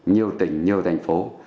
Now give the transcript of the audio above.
nhiều tỉnh nhiều thành phố